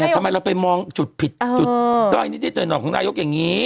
ทำไมเราไปมองจุดผิดก็อันนี้ที่เดินออกของนายกอย่างนี้